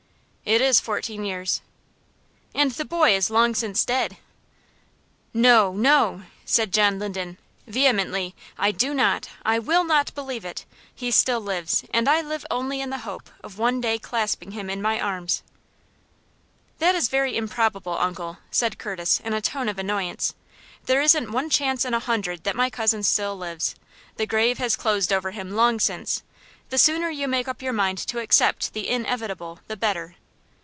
"It is fourteen years." "And the boy is long since dead!" "No, no!" said John Linden, vehemently. "I do not, I will not, believe it. He still lives, and I live only in the hope of one day clasping him in my arms." "That is very improbable, uncle," said Curtis, in a tone of annoyance. "There isn't one chance in a hundred that my cousin still lives. The grave has closed over him long since. The sooner you make up your mind to accept the inevitable the better."